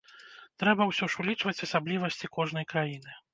Трэба ўсё ж улічваць асаблівасці кожнай краіны.